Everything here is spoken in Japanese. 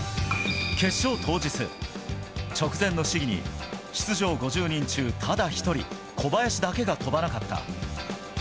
決勝当日、直前の試技に、出場５０人中ただ１人、小林だけが飛ばなかった。